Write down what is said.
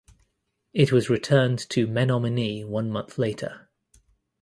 It was returned to Menominee one month later.